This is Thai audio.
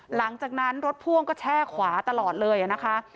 หลังจากนั้นรถพ่วงก็แช่ขวาตลอดเลยนะคะ